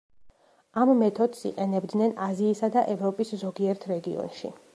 ამ მეთოდს იყენებდნენ აზიისა და ევროპის ზოგიერთ რეგიონში.